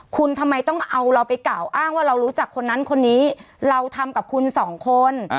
คุณทำไมต้องเอาเราไปกล่าวอ้างว่าเรารู้จักคนนั้นคนนี้เราทำกับคุณสองคน